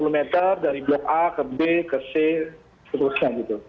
sepuluh meter dari blok a ke b ke c seterusnya gitu